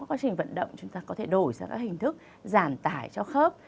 trong quá trình vận động chúng ta có thể đổi ra các hình thức giảm tải cho khớp